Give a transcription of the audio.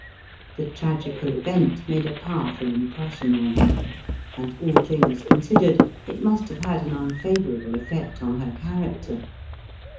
The tragical event made a powerful impression on her, and, all things considered, it must have had an unfavorable effect on her character.